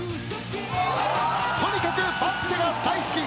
とにかくバスケが大好き。